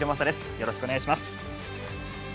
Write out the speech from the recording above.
よろしくお願いします。